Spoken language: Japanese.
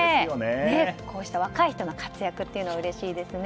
こうした若い人の活躍というのはうれしいですね。